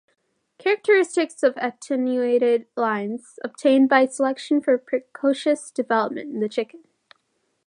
Characteristics of attenuated lines obtained by selection for precocious development in the chicken.